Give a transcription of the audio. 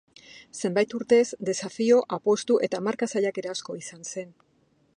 Zenbait urtez desafio, apustu eta marka saiakera asko izan zen.